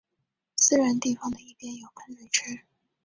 私人地方的一边有喷水池。